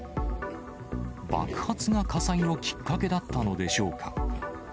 爆発が火災のきっかけだったのでしょうか。